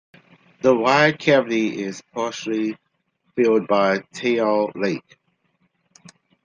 The wide cavity is partially filled by Taal Lake.